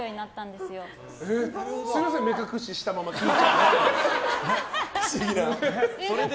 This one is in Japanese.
すみません目隠ししたまま聞いちゃって。